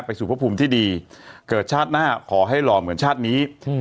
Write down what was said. สู่พระภูมิที่ดีเกิดชาติหน้าขอให้หล่อเหมือนชาตินี้